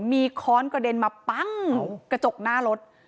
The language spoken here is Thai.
มีค้อนกระเด็นมาปั้งกระจกหน้ารถ